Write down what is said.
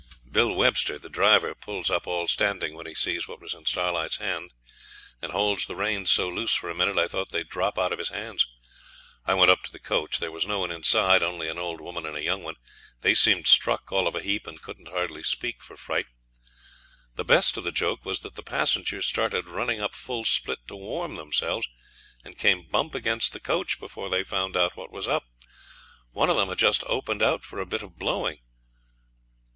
Bill Webster, the driver, pulls up all standing when he sees what was in Starlight's hand, and holds the reins so loose for a minute I thought they'd drop out of his hands. I went up to the coach. There was no one inside only an old woman and a young one. They seemed struck all of a heap, and couldn't hardly speak for fright. The best of the joke was that the passengers started running up full split to warm themselves, and came bump against the coach before they found out what was up. One of them had just opened out for a bit of blowing.